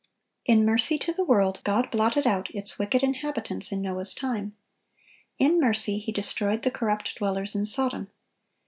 (952) In mercy to the world, God blotted out its wicked inhabitants in Noah's time. In mercy, He destroyed the corrupt dwellers in Sodom.